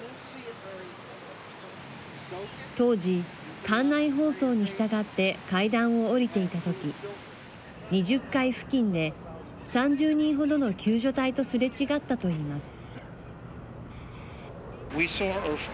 当時、館内放送に従って階段を降りていた時２０階付近で３０人程の救助隊とすれ違ったといいます。